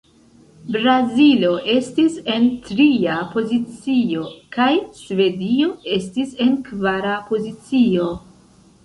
Brazilo estis en tria pozicio, kaj Svedio estis en kvara pozicio.